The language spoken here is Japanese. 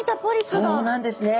そうなんですね。